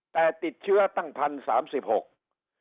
แต่ติดเชื้อตั้งพันธุ์๓๖